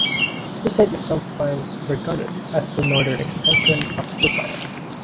Sucite is sometimes regarded as the northern extension of Supyire.